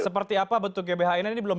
seperti apa bentuk gbhn ini belum